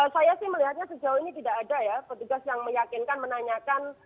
saya sih melihatnya sejauh ini tidak ada ya petugas yang meyakinkan menanyakan